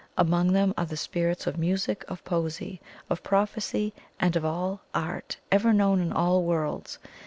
Among them are the Spirits of Music, of Poesy, of Prophecy, and of all Art ever known in all worlds.